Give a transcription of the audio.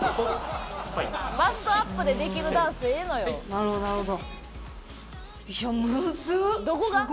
なるほどなるほど。